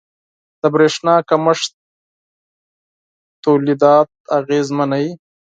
• د برېښنا کمښت تولیدات اغېزمنوي.